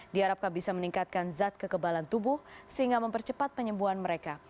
diharapkan bisa meningkatkan zat kekebalan tubuh sehingga mempercepat penyembuhan mereka